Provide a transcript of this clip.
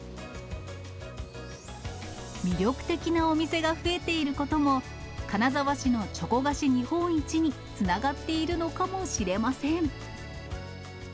魅力的なお店が増えていることも、金沢市のチョコ菓子日本一につながっているのかもしれません。